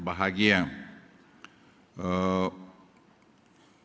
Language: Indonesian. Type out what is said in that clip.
dan yang hadirin yang bahagia